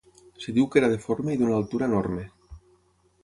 Es diu que era deforme i d'una altura enorme.